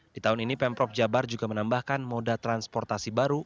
di tahun ini pemprov jabar juga menambahkan moda transportasi baru